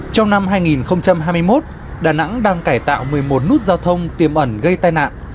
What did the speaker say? trong năm hai nghìn hai mươi một đà nẵng đang cải tạo một mươi một nút giao thông tiềm ẩn gây tai nạn